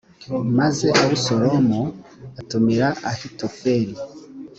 maze abusalomu atumira ahitofeli